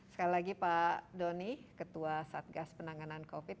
sekali lagi pak doni ketua satgas penanganan covid sembilan